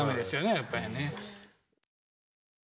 やっぱりね。